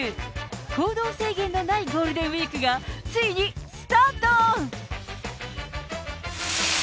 行動制限のないゴールデンウィークが、ついにスタート。